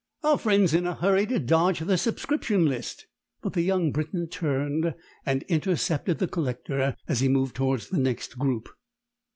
"Our friend's in a hurry to dodge the subscription list." But the young Briton turned and intercepted the collector as he moved towards the next group.